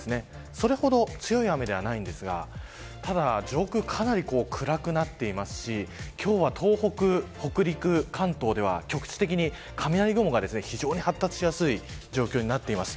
それほど強い雨ではないんですがただ、上空かなり暗くなっていますし今日は東北、北陸、関東では局地的に雷雲が非常に発達しやすい状況になっています。